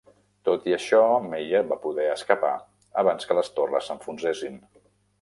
Tot i això, Mayer va poder escapar abans que les torres s'enfonsessin.